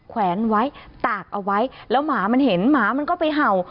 แวนไว้ตากเอาไว้แล้วหมามันเห็นหมามันก็ไปเห่า